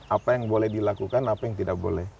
apa yang boleh dilakukan apa yang tidak boleh